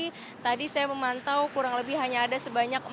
jadi tadi saya memantau kurang lebih hanya ada sebanyak empat